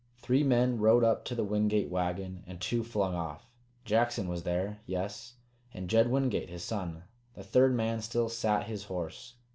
Three men rode up to the Wingate wagon, and two flung off. Jackson was there, yes, and Jed Wingate, his son. The third man still sat his horse.